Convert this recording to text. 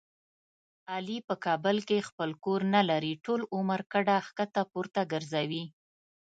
علي په کابل کې خپل کور نه لري. ټول عمر کډه ښکته پورته ګرځوي.